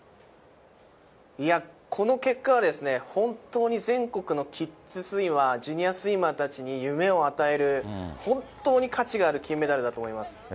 いや、この結果はですね、本当に全国のキッズスイマー、ジュニアスイマーたちに夢を与える、本当に価値がある金メダルだと思います。